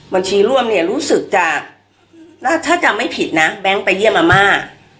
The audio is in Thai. บัญชีร่วมเนี่ยรู้สึกจากถ้าจำไม่ผิดนะแบงค์ไปเยี่ยมอาม่า